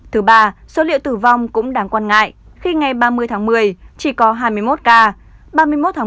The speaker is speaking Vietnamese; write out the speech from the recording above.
thứ ba số liệu tử vong cũng đáng quan ngại khi ngày ba mươi tháng một mươi chỉ có hai mươi một ca